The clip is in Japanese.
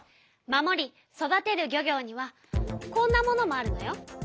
「守り育てる漁業」にはこんなものもあるのよ。